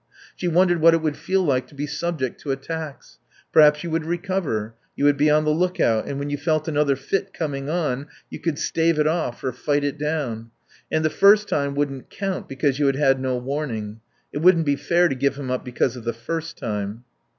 She wondered what it would feel like to be subject to attacks. Perhaps you would recover; you would be on the look out, and when you felt another fit coming on you could stave it off or fight it down. And the first time wouldn't count because you had had no warning. It wouldn't be fair to give him up because of the first time.